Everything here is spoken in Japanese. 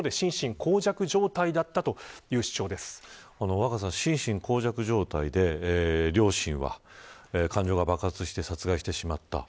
若狭さん、心神耗弱状態で両親は、感情が爆発して殺害してしまった。